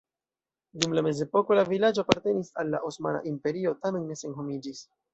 Dum la mezepoko la vilaĝo apartenis al la Osmana Imperio, tamen ne senhomiĝis.